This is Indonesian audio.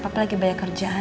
papa lagi banyak kerjaan